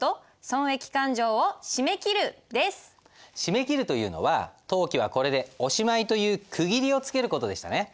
締め切るというのは「当期はこれでおしまい」という区切りをつける事でしたね。